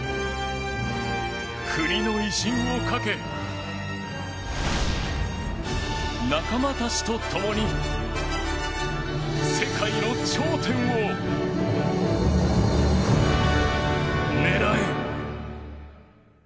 国の威信をかけ仲間たちと共に世界の頂点を狙え。